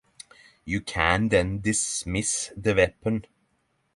You can then dismiss the weapon.